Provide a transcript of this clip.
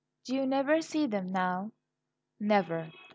"Do you never see them now?" "Never.